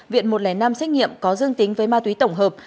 viện một trăm linh năm xét nghiệm có dương tính với ma túy tổng hợp